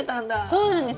そうなんです。